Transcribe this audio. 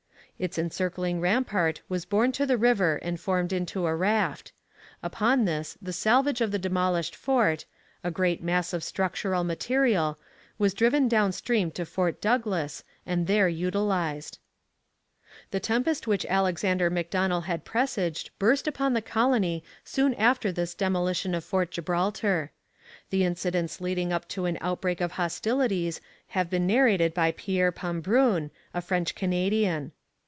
Its encircling rampart was borne to the river and formed into a raft. Upon this the salvage of the demolished fort a great mass of structural material was driven down stream to Fort Douglas and there utilized. The tempest which Alexander Macdonell had presaged burst upon the colony soon after this demolition of Fort Gibraltar. The incidents leading up to an outbreak of hostilities have been narrated by Pierre Pambrun, a French Canadian.